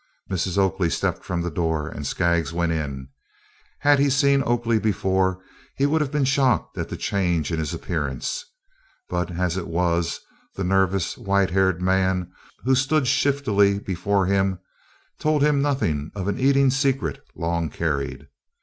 Mrs. Oakley stepped from the door and Skaggs went in. Had he seen Oakley before he would have been shocked at the change in his appearance; but as it was, the nervous, white haired man who stood shiftily before him told him nothing of an eating secret long carried.